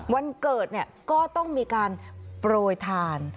วันเกิดก็ต้องมีการโปรยทาน